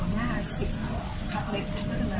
ไม่ต่อไป